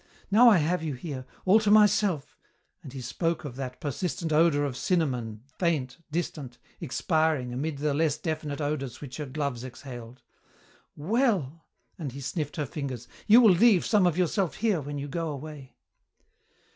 Now I have you here, all to myself," and he spoke of that persistent odour of cinnamon, faint, distant, expiring amid the less definite odours which her gloves exhaled, "well," and he sniffed her fingers, "you will leave some of yourself here when you go away."